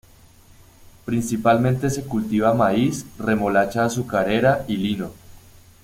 Principalmente se cultiva maiz, remolacha azucarera y lino.